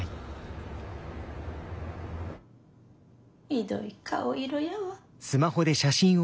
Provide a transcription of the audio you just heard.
ひどい顔色やわ。